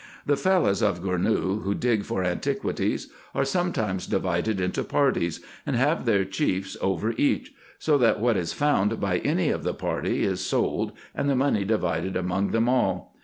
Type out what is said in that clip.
The Fellahs of Gournou who dig for antiquities are sometimes divided into parties, and have their chiefs over each ; so that what is found by any of the party is sold, and the money divided among them all.